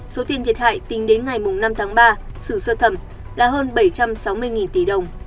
số tiền thiệt hại tính đến ngày năm tháng ba xử sơ thẩm là hơn bảy trăm sáu mươi tỷ đồng